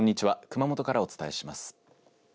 熊本からお伝えします。